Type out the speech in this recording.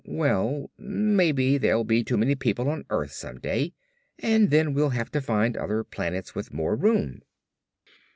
"Well, maybe there'll be too many people on earth someday and then we'll have to find other planets with more room."